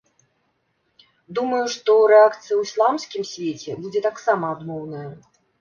Думаю, што рэакцыя ў ісламскім свеце будзе таксама адмоўная.